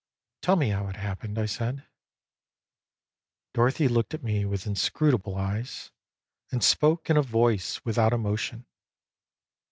" Tell me how it happened," I said. Dorothy looked at me with inscrutable eyes, and spoke in a voice without emotion.